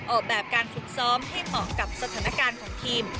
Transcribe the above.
ออกแบบการฝึกซ้อมให้เหมาะกับสถานการณ์ของทีม